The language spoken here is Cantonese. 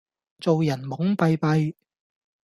做人懵閉閉